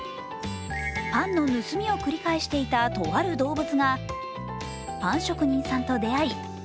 パンの盗みを繰り返していた、とある動物がパン職人さんと出会い